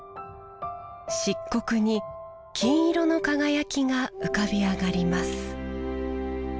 漆黒に金色の輝きが浮かび上がります